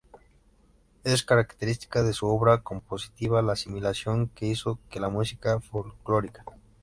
Es característica de su obra compositiva la asimilación que hizo de la música folclórica.